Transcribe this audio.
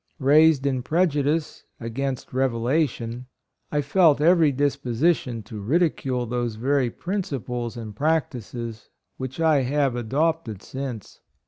Raised in prejudice against Revelation, I felt every disposition to ridicule those very principles and practices which I have adopted since.